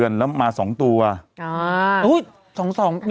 เป็นการกระตุ้นการไหลเวียนของเลือด